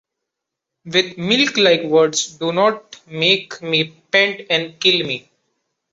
with milk-like words do not make me pant and kill me!